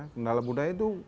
kendala budaya itu